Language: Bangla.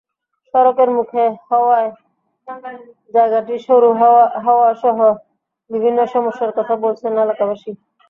সড়কের মুখে হওয়ায় জায়গাটি সরু হওয়াসহ বিভিন্ন সমস্যার কথা বলছেন এলাকাবাসী।